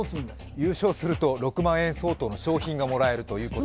優勝すると６万円相当がもらえるらしいと。